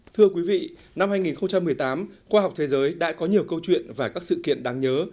thưa quý vị năm hai nghìn một mươi tám khoa học thế giới đã có nhiều câu chuyện và các sự kiện đáng nhớ